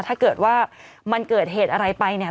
ถ้าเกิดว่ามันเกิดเหตุอะไรไปเนี่ย